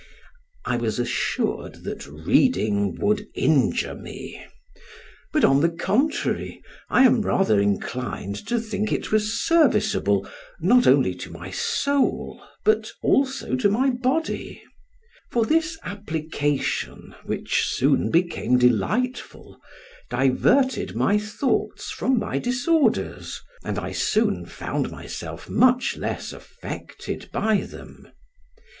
I was assured that reading would injure me; but on the contrary, I am rather inclined to think it was serviceable, not only to my soul, but also to my body; for this application, which soon became delightful, diverted my thoughts from my disorders, and I soon found myself much less affected by them.